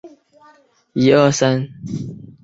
中国古人常常将人和天地及鬼神联系在一起。